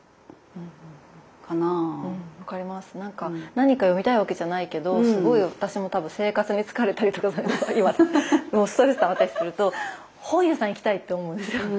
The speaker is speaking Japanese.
何か読みたいわけじゃないけどすごい私も多分生活に疲れたりとかもうストレスたまったりとかすると本屋さん行きたいって思うんですよ。